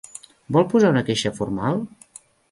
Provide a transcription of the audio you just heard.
Vol posar una queixa formal?